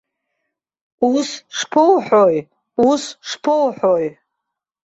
Ус шԥоуҳәои, ус шԥоуҳәои!